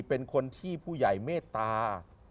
เป็นคนที่ผู้ใหญ่เมตตา